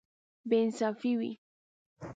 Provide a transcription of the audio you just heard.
بې انصافي وي.